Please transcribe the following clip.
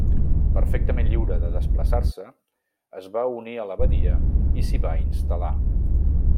Perfectament lliure de desplaçar-se, es va unir a l'abadia i s'hi va instal·lar.